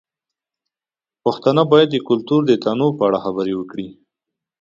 پښتانه باید د کلتور د تنوع په اړه خبر وي.